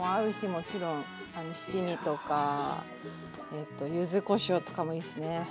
もちろんあの七味とかえっとゆずこしょうとかもいいっすね。